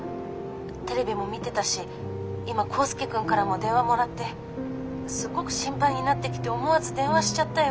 テレビも見てたし今コウスケ君からも電話もらってすっごく心配になってきて思わず電話しちゃったよ。